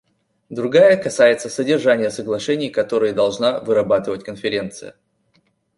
Другая касается содержания соглашений, которые должна вырабатывать Конференция.